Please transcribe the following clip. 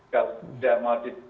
kalau sudah mau di